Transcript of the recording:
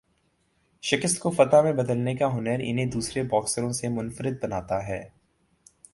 شکست کو فتح میں بدلنے کا ہنر انہیں دوسرے باکسروں سے منفرد بناتا ہے